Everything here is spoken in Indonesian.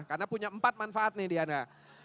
karena punya empat manfaat nih diana